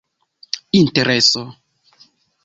intereso